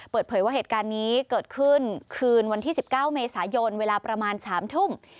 เปิดเผยว่าเหตุการณ์นี้เกิดขึ้นคืนวันที่๑๙เมษายนเวลาประมาณ๓ทุ่ม